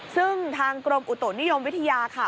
ซึ่งทางกรมอุตุนิยมวิทยาค่ะ